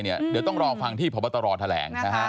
เดี๋ยวต้องรอฟังที่พบตรแถลง